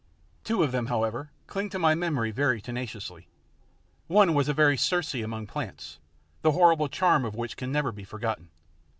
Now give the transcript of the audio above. Two of them, however, cling to my memory very tenaciously. One was a very Circe amongst plants, the horrible charm of which can never be forgotten.